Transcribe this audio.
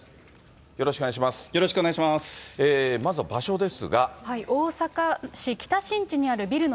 よろしくお願いします。